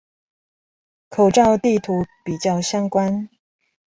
口罩地圖比較相關